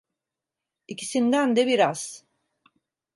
İkisinden de biraz.